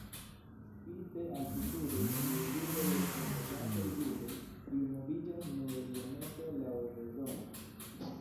Spite altitudoj tiuj birdoj estas loĝantaj birdoj kiuj moviĝas nur iomete laŭ sezono.